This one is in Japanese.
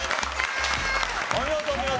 お見事お見事。